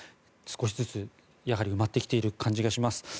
少しずつ、やはり埋まってきている感じがします。